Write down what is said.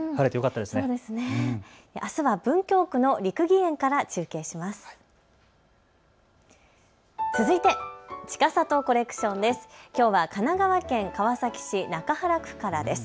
あすは文京区の六義園から中継します。